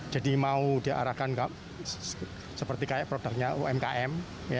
jadi mau diarahkan seperti produknya umkm